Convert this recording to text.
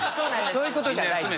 そういう事じゃないよ。